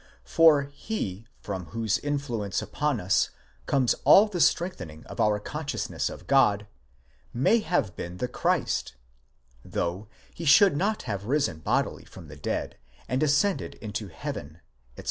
For he from whose influence upon us comes all the strengthening of our consciousness of God, may have been the Christ, though he should not have risen bodily from the dead, and ascended into heaven, etc.